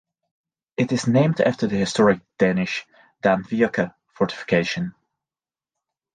It is named after the historic Danish "Danevirke" fortification.